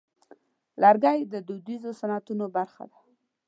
لرګی د دودیزو صنعتونو برخه ده.